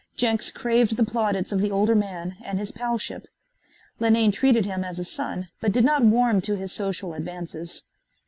Jenks craved the plaudits of the older man and his palship. Linane treated him as a son, but did not warm to his social advances.